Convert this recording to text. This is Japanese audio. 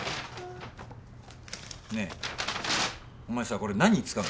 ねえお前さこれ何に使うの？